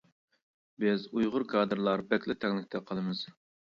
بىز ئۇيغۇر كادىرلار بەكلا تەڭلىكتە قالىمىز.